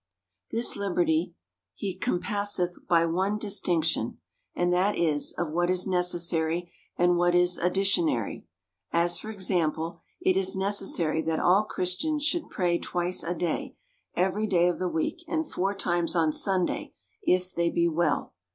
This liberty he compasseth by one distinction ; and that is, of what is necessary, and what is additionary. As for example : it is neces sary, that all Christians should pray twice a day, every day of the week, and four times on Sunday, if they be well.